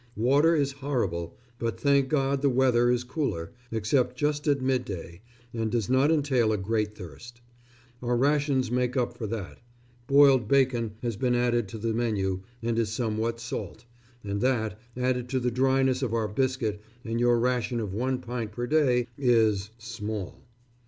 Water is horrible, but, thank God, the weather is cooler, except just at midday, and does not entail a great thirst. Our rations make up for that. Boiled bacon has been added to the menu and is somewhat salt, and that, added to the dryness of our biscuit, and your ration of one pint per day, is small.